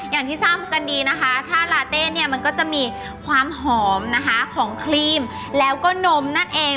อย่างที่ทราบกันดีนะคะถ้าลาเต้เนี่ยมันก็จะมีความหอมนะคะของครีมแล้วก็นมนั่นเอง